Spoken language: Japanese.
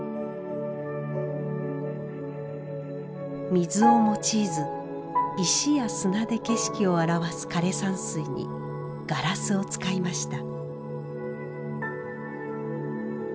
水を用いず石や砂で景色を表す枯山水にガラスを使いました。